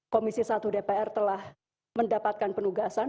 komisi satu dpr telah mendapatkan penugasan